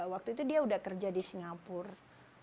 waktu itu dia udah kerja di singapura